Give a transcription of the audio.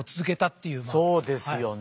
そうですよね。